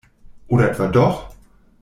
Oder etwa doch?